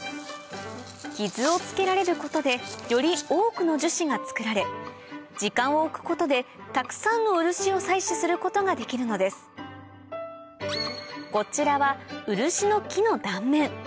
傷をつけられることでより多くの樹脂が作られ時間を置くことでたくさんの漆を採取することができるのですこちらは漆の木の断面